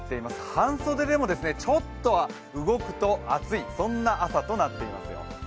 半袖でもちょっと動くと暑い、そんな朝となっていますよ。